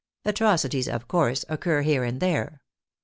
Atrocities, of course, occur here and there.